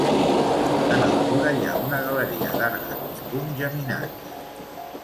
En altura hi ha una galeria d'arcs de mig punt geminats.